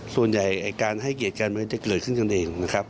ส่วนใหญ่การให้เกียรติการเมืองจะเกิดขึ้นกันเองนะครับ